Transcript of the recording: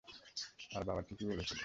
আর বাবা ঠিকই বলেছিল।